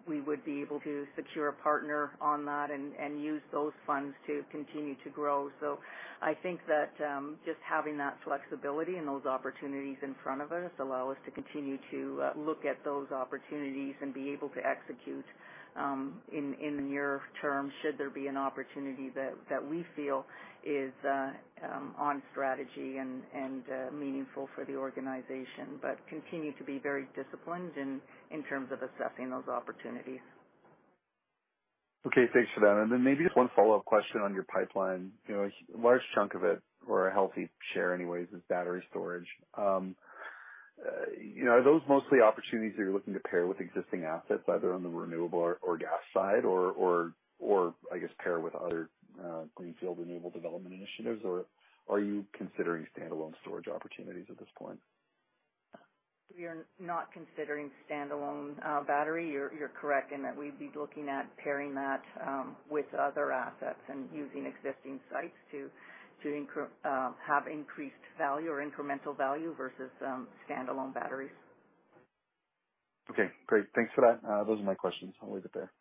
we would be able to secure a partner on that and, and use those funds to continue to grow. I think that, just having that flexibility and those opportunities in front of us allow us to continue to, look at those opportunities and be able to execute, in, in the near term, should there be an opportunity that, that we feel is, on strategy and, and, meaningful for the organization. Continue to be very disciplined in terms of assessing those opportunities. Okay, thanks for that. Then maybe just 1 follow-up question on your pipeline. You know, a large chunk of it, or a healthy share anyways, is battery storage. You know, are those mostly opportunities that you're looking to pair with existing assets, either on the renewable or, or gas side, or I guess pair with other, greenfield renewable development initiatives, or are you considering standalone storage opportunities at this point? We are not considering standalone battery. You're, you're correct in that we'd be looking at pairing that with other assets and using existing sites to have increased value or incremental value versus standalone batteries. Okay, great. Thanks for that. Those are my questions. I'll leave it there.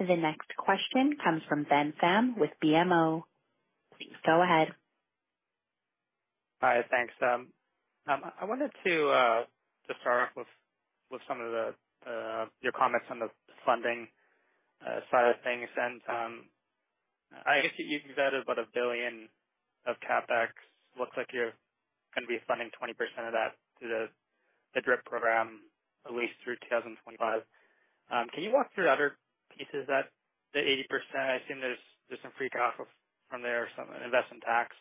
The next question comes from Ben Pham with BMO. Please go ahead. Hi, thanks. I wanted to just start off with, with some of the your comments on the funding side of things. I guess you've added about $1 billion of CapEx. Looks like you're going to be funding 20% of that through the DRIP program, at least through 2025. Can you walk through the other pieces that, the 80%? I assume there's, there's some free cash flow from there, some Investment Tax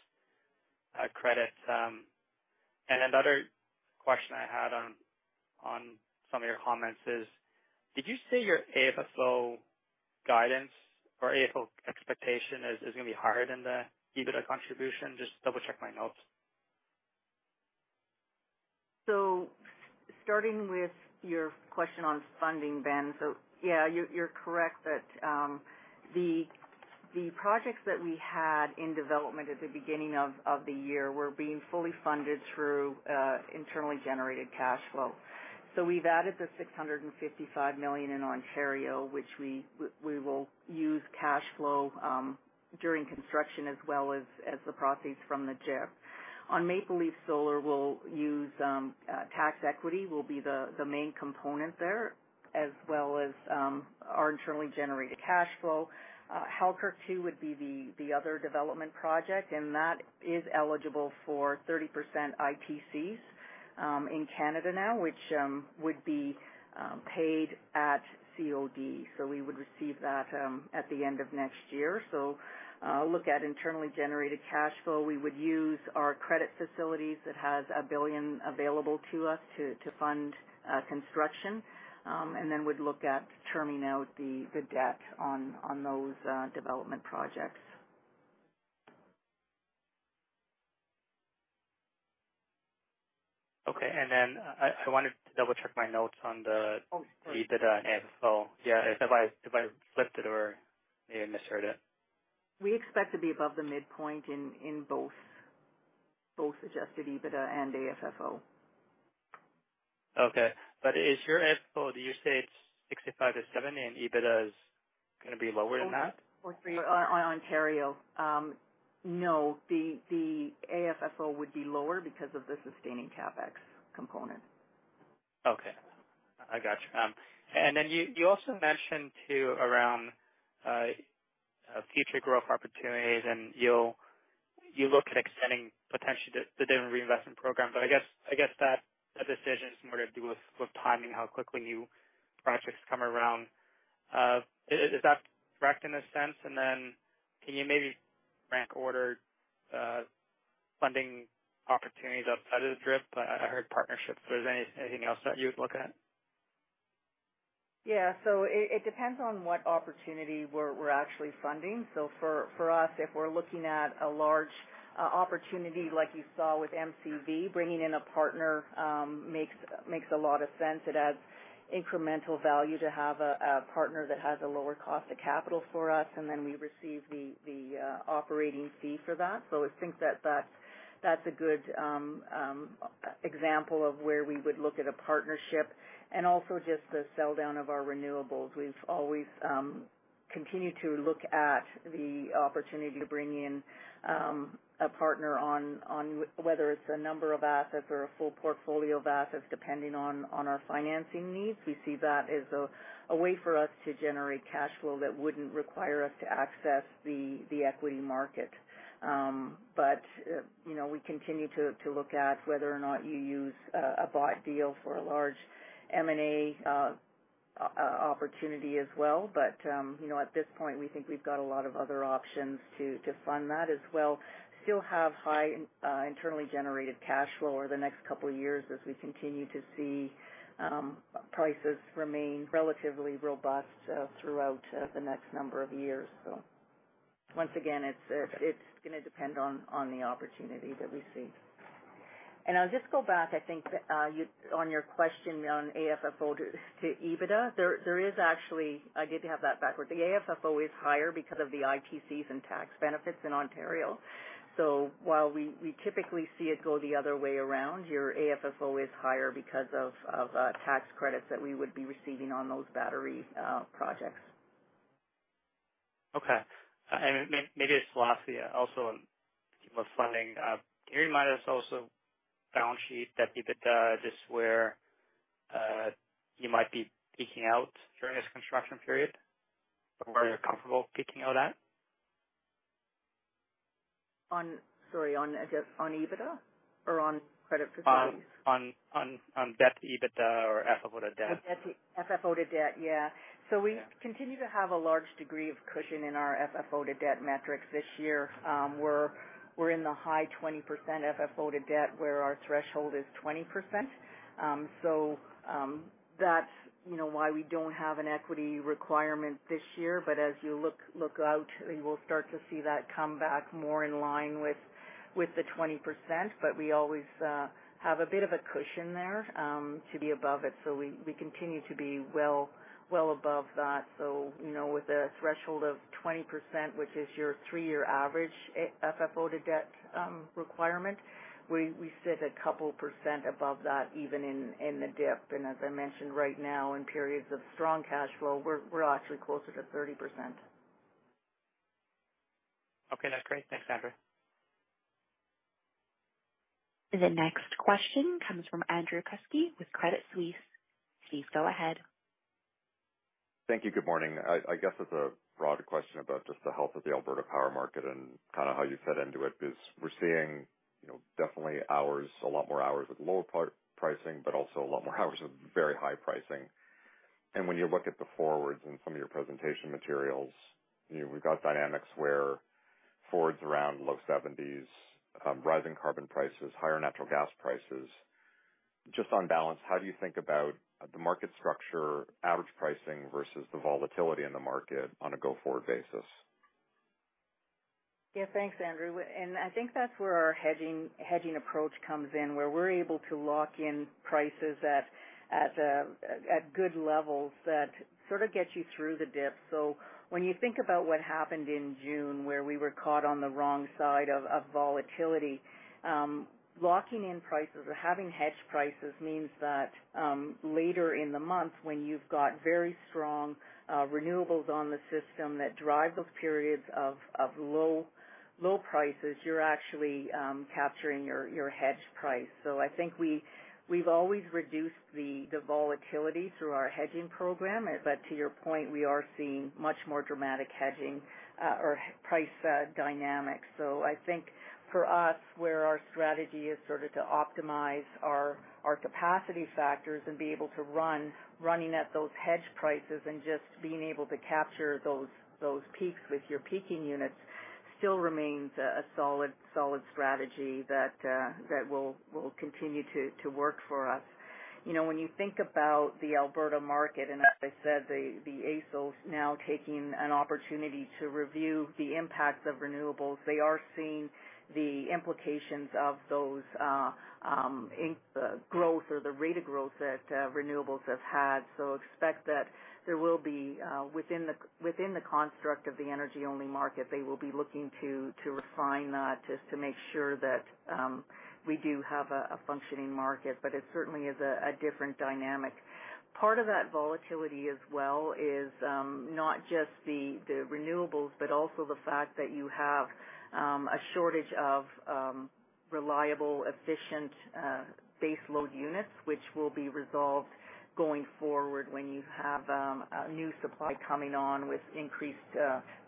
Credits. Another question I had on, on some of your comments is, did you say your AFFO guidance or AFFO expectation is, is going to be higher than the EBITDA contribution? Just double-check my notes. Starting with your question on funding, Ben. Yeah, you're, you're correct that the projects that we had in development at the beginning of the year were being fully funded through internally generated cash flow. We've added the $655 million in Ontario, which we, we will use cash flow during construction as well as, as the proceeds from the DRIP. On Maple Leaf Solar, we'll use tax equity will be the main component there, as well as our internally generated cash flow. Halkirk Two would be the other development project, and that is eligible for 30% ITCs in Canada now, which would be paid at COD. We would receive that at the end of next year. Look at internally generated cash flow. We would use our credit facilities that has $1 billion available to us to, to fund construction, and then would look at terming out the debt on those development projects. Okay. Then I wanted to double-check my notes on the- Oh, sure. EBITDA and AFFO. Yeah, have I, have I flipped it or maybe misheard it? We expect to be above the midpoint in both Adjusted EBITDA and AFFO. Okay. Is your AFFO, did you say it's 65-70, and EBITDA is going to be lower than that? three on Ontario. No, the, the AFFO would be lower because of the sustaining CapEx component. Okay. I got you. You, you also mentioned, too, around future growth opportunities, and you look at extending potentially the, the dividend reinvestment program. I guess that, that decision is more to do with timing, how quickly new projects come around. Is, is that correct in a sense? Then can you maybe rank order funding opportunities outside of DRIP? I, I heard partnerships, so is there any- anything else that you'd look at? Yeah. It, it depends on what opportunity we're, we're actually funding. For, for us, if we're looking at a large opportunity like you saw with MCV, bringing in a partner makes, makes a lot of sense. It adds incremental value to have a partner that has a lower cost of capital for us, and then we receive the, the operating fee for that. I think that that's, that's a good example of where we would look at a partnership. Also just the sell down of our renewables. We've always continued to look at the opportunity to bring in a partner on, on whether it's a number of assets or a full portfolio of assets, depending on our financing needs. We see that as a way for us to generate cash flow that wouldn't require us to access the equity market. You know, we continue to look at whether or not you use a bought deal for a large M&A opportunity as well. You know, at this point, we think we've got a lot of other options to fund that as well. Still have high internally generated cash flow over the next couple of years as we continue to see prices remain relatively robust throughout the next number of years. Once again, it's gonna depend on the opportunity that we see. I'll just go back, I think, on your question on AFFO to EBITDA. I did have that backward. The AFFO is higher because of the ITCs and tax benefits in Ontario. While we, we typically see it go the other way around, your AFFO is always higher because of, of, tax credits that we would be receiving on those battery projects. Okay. Maybe it's philosophy also in terms of funding. Can you remind us also balance sheet that EBITDA, just where you might be peaking out during this construction period, or where you're comfortable peaking out at? On, sorry, on, on EBITDA or on credit profiles? debt to EBITDA or FFO to debt. The debt FFO to debt, yeah. Yeah. We continue to have a large degree of cushion in our FFO to debt metrics this year. We're, we're in the high 20% FFO to debt, where our threshold is 20%. So that's, you know, why we don't have an equity requirement this year. As you look, look out, we will start to see that come back more in line with, with the 20%. We always have a bit of a cushion there to be above it. We continue to be well, well above that. You know, with a threshold of 20%, which is your 3-year average AFFO to debt requirement, we, we sit a 2% above that, even in, in the dip. As I mentioned right now, in periods of strong cash flow, we're, we're actually closer to 30%. Okay, that's great. Thanks, Sandra. The next question comes from Andrew Kuske with Credit Suisse. Please go ahead. Thank you. Good morning. I, I guess as a broad question about just the health of the Alberta power market and kind of how you fit into it, is we're seeing, you know, definitely hours, a lot more hours of lower part pricing, but also a lot more hours of very high pricing. When you look at the forwards in some of your presentation materials, you know, we've got dynamics where forwards around low $70s, rising carbon prices, higher natural gas prices. Just on balance, how do you think about the market structure, average pricing versus the volatility in the market on a go-forward basis? Yeah, thanks, Andrew. I think that's where our hedging, hedging approach comes in, where we're able to lock in prices at good levels that sort of get you through the dip. When you think about what happened in June, where we were caught on the wrong side of, of volatility, locking in prices or having hedged prices means that later in the month, when you've got very strong renewables on the system that drive those periods of low prices, you're actually capturing your, your hedged price. I think we've always reduced the volatility through our hedging program. To your point, we are seeing much more dramatic hedging or price dynamics. I think for us, where our strategy is sort of to optimize our capacity factors and be able to run, running at those hedged prices and just being able to capture those, those peaks with your peaking units, still remains a solid, solid strategy that will continue to work for us. You know, when you think about the Alberta market, and as I said, the AESO's now taking an opportunity to review the impacts of renewables, they are seeing the implications of those in growth or the rate of growth that renewables have had. Expect that there will be within the construct of the energy-only market, they will be looking to refine that, just to make sure that we do have a functioning market. It certainly is a different dynamic. Part of that volatility as well is, not just the, the renewables, but also the fact that you have, a shortage of, reliable, efficient, base load units, which will be resolved going forward when you have, a new supply coming on with increased,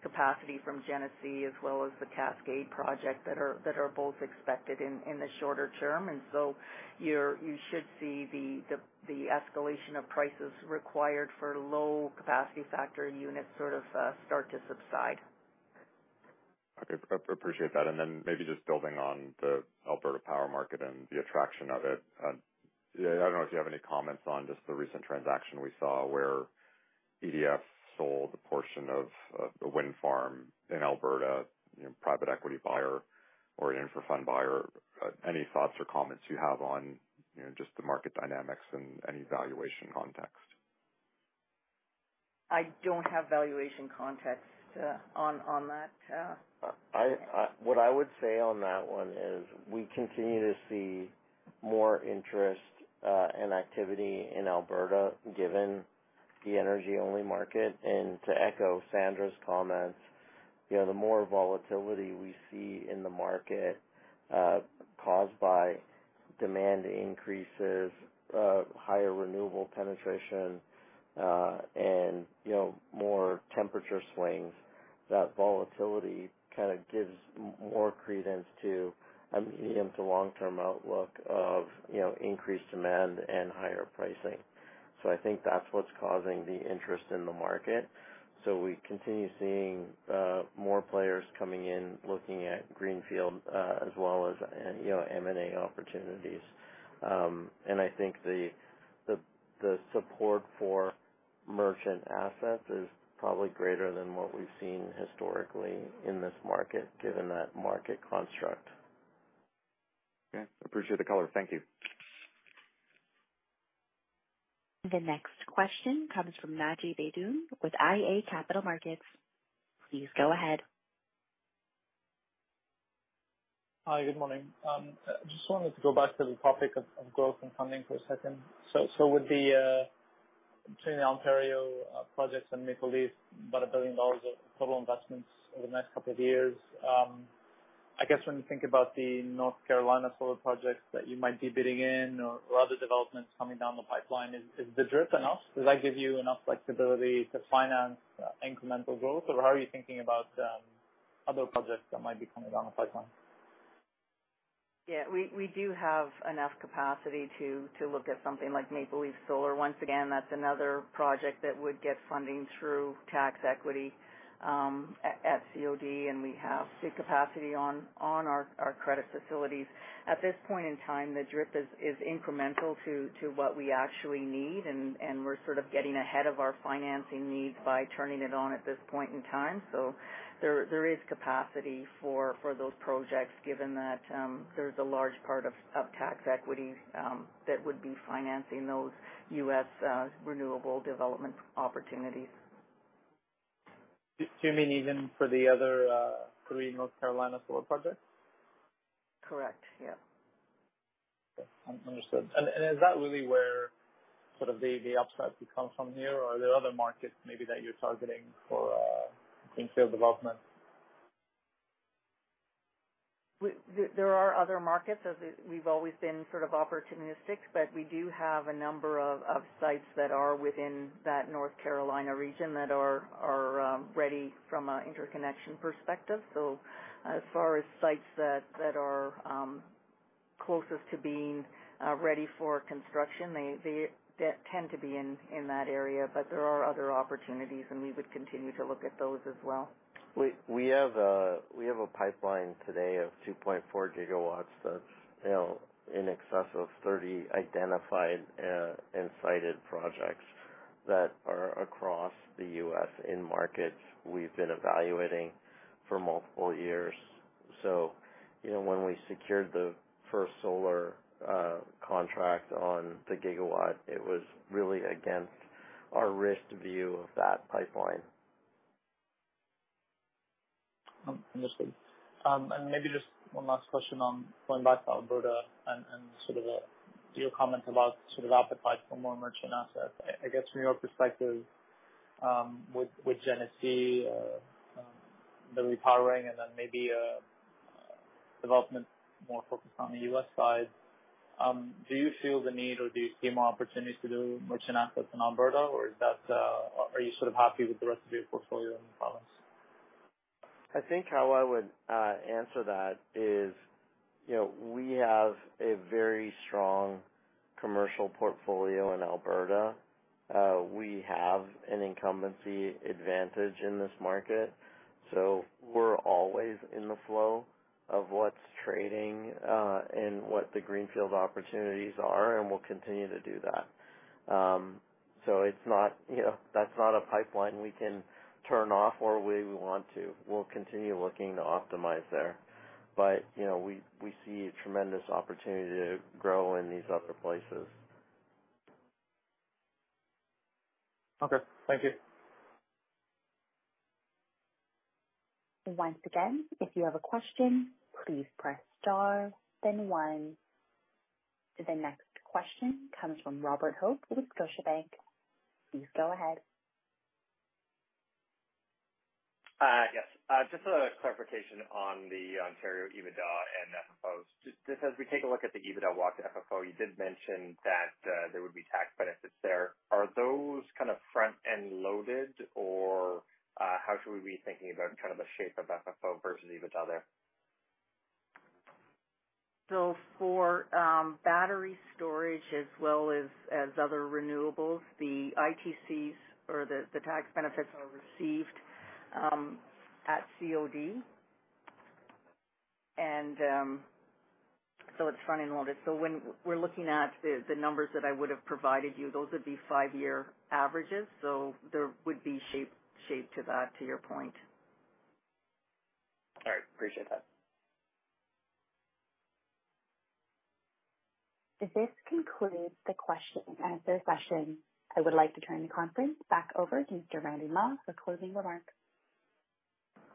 capacity from Genesee, as well as the Cascade project that are, that are both expected in, in the shorter term. So you should see the, the, the escalation of prices required for low capacity factor units sort of, start to subside. Okay. appreciate that. Then maybe just building on the Alberta power market and the attraction of it, I don't know if you have any comments on just the recent transaction we saw, where EDF sold a portion of a wind farm in Alberta, you know, private equity buyer or an infra fund buyer. Any thoughts or comments you have on, you know, just the market dynamics and any valuation context? I don't have valuation context on that. What I would say on that one is we continue to see more interest, and activity in Alberta, given the energy-only market. To echo Sandra's comments, you know, the more volatility we see in the market, caused by demand increases, higher renewable penetration, and, you know, more temperature swings. That volatility kind of gives more credence to a medium to long-term outlook of, you know, increased demand and higher pricing. I think that's what's causing the interest in the market. We continue seeing more players coming in, looking at greenfield, as well as, and, you know, M&A opportunities. I think the, the, the support for merchant assets is probably greater than what we've seen historically in this market, given that market construct. Okay. Appreciate the color. Thank you. The next question comes from Naji Badour with iA Capital Markets. Please go ahead. Hi, good morning. I just wanted to go back to the topic of, of growth and funding for a second. With the between the Ontario projects and Maple Leaf, about $1 billion of total investments over the next couple of years, I guess when you think about the North Carolina solar projects that you might be bidding in or, or other developments coming down the pipeline, is, is the DRIP enough? Does that give you enough flexibility to finance incremental growth? Or how are you thinking about other projects that might be coming down the pipeline? Yeah, we, we do have enough capacity to, to look at something like Maple Leaf Solar. Once again, that's another project that would get funding through tax equity, at COD, and we have good capacity on our, our credit facilities. At this point in time, the DRIP is, is incremental to, to what we actually need, and, and we're sort of getting ahead of our financing needs by turning it on at this point in time. There is capacity for those projects, given that, there's a large part of tax equity, that would be financing those U.S., renewable development opportunities. Do you mean even for the other, three North Carolina solar projects? Correct. Yeah. Okay. Understood. Is that really where sort of the, the upside becomes from here, or are there other markets maybe that you're targeting for greenfield development? There, there are other markets, as we've always been sort of opportunistic, but we do have a number of, of sites that are within that North Carolina region that are, are, ready from a interconnection perspective. As far as sites that, that are, closest to being, ready for construction, they, they tend to be in, in that area. There are other opportunities, and we would continue to look at those as well. We, we have a, we have a pipeline today of 2.4 GW that's, you know, in excess of 30 identified, and cited projects that are across the U.S. in markets we've been evaluating for multiple years. you know, when we secured the First Solar, contract on the gigawatt, it was really against our risk view of that pipeline. Understood. Maybe just one last question on going back to Alberta and, and sort of, your comment about sort of appetite for more merchant assets. I guess, from your perspective, with, with Genesee, the repowering and then maybe, development more focused on the US side, do you feel the need or do you see more opportunities to do merchant assets in Alberta, or is that are you sort of happy with the rest of your portfolio in the province? I think how I would answer that is, you know, we have a very strong commercial portfolio in Alberta. We have an incumbency advantage in this market, so we're always in the flow of what's trading and what the greenfield opportunities are, and we'll continue to do that. So it's not, you know, that's not a pipeline we can turn off or we want to. We'll continue looking to optimize there. You know, we, we see tremendous opportunity to grow in these other places. Okay. Thank you. Once again, if you have a question, please press star then one. The next question comes from Robert Hope with Scotiabank. Please go ahead. Yes. Just a clarification on the Ontario EBITDA and FFO. Just as we take a look at the EBITDA walk to FFO, you did mention that there would be tax benefits there. Are those kind of front-end loaded, or how should we be thinking about kind of the shape of FFO versus EBITDA there? For battery storage as well as, as other renewables, the ITCs or the, the tax benefits are received at COD. So it's front-end loaded. When we're looking at the, the numbers that I would have provided you, those would be five-year averages, so there would be shape, shape to that, to your point. All right. Appreciate that. This concludes the question and answer session. I would like to turn the conference back over to Mr. Randy Mah for closing remarks.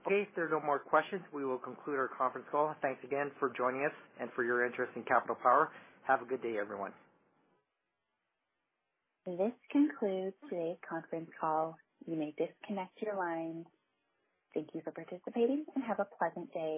Okay, if there are no more questions, we will conclude our conference call. Thanks again for joining us and for your interest in Capital Power. Have a good day, everyone. This concludes today's conference call. You may disconnect your line. Thank you for participating, and have a pleasant day.